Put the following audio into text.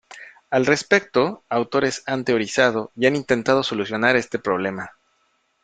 Al respecto, autores han teorizado y han intentado solucionar este problema.